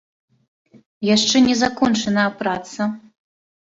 Яшчэ не закончаная праца.